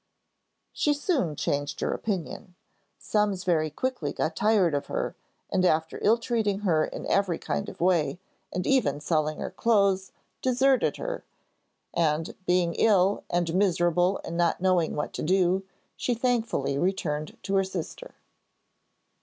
She soon changed her opinion. Summs very quickly got tired of her; and after ill treating her in every kind of way, and even selling her clothes, deserted her, and being ill and miserable and not knowing what to do, she thankfully returned to her sister.